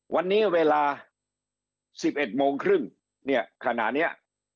วันนี้เวลา๑๑โมงครึ่งเนี่ยขณะนี้